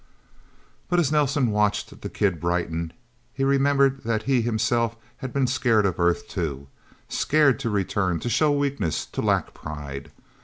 But as Nelsen watched the kid brighten, he remembered that he, himself, had been scared of Earth, too. Scared to return, to show weakness, to lack pride...